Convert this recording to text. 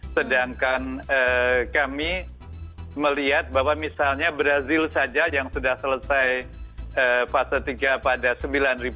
sedangkan kami melihat bahwa misalnya brazil saja yang sudah selesai fase tiga pada sembilan